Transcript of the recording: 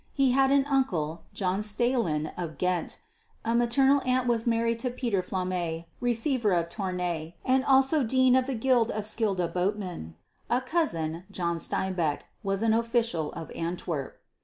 He had an uncle John Stalyn of Ghent. A maternal aunt was married to Peter Flamme, Receiver of Tournay and also Dean of the Guild of Schelde Boatmen. A cousin, John Steinbeck, was an official of Antwerp.